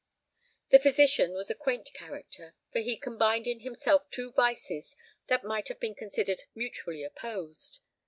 The physician was a quaint character, for he combined in himself two vices that might have been considered mutually opposed.